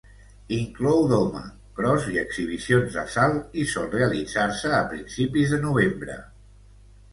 Inclou doma, cros i exhibicions de salt i sol realitzar-se a principis de novembre.